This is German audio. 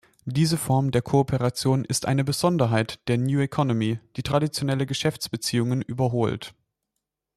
Diese Form der Kooperation ist eine Besonderheit der New Economy, die traditionelle Geschäftsbeziehungen überholt.